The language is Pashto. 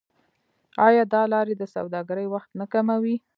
آیا دا لارې د سوداګرۍ وخت نه کموي؟